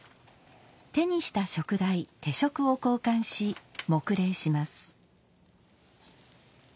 手にした燭台手燭を交換し黙礼します。